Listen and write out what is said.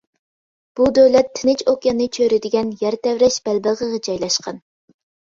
بۇ دۆلەت تىنچ ئوكياننى چۆرىدىگەن يەر تەۋرەش بەلبېغىغا جايلاشقان.